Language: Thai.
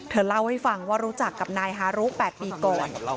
เล่าให้ฟังว่ารู้จักกับนายฮารุ๘ปีก่อน